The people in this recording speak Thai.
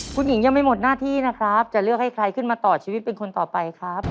คุณหญิงยังไม่หมดหน้าที่นะครับจะเลือกให้ใครขึ้นมาต่อชีวิตเป็นคนต่อไปครับ